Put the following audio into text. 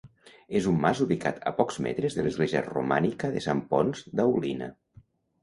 És un mas ubicat a pocs metres de l'església romànica de Sant Ponç d'Aulina.